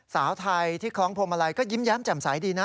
สาวไทยที่คล้องพวงมาลัยก็ยิ้มแย้มแจ่มใสดีนะ